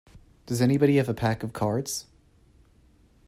Does anybody have a pack of cards?